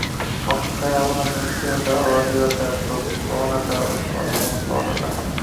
পক্ষান্তরে আগুনে আছে অস্থিরতা, অধীরতা, ঝোঁক প্রবণতা ও দহন প্রবণতা।